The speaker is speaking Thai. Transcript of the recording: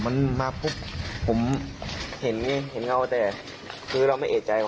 มันมาพรุ่งผมเห็นเห็นเขาว่าแต่คือเราไม่เอกใจว่า